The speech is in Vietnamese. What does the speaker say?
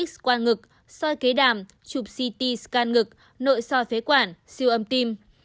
x quang ngực xoay kế đàm chụp ct scan ngực nội xoay phế quản siêu âm tim